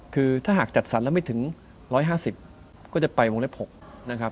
คือถ้าหากจัดสรรแล้วไม่ถึง๑๕๐ก็จะไปโรงเรียบ๖